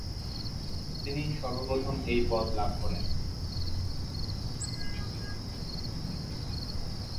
তিনি সর্বপ্রথম এই পদ লাভ করেন।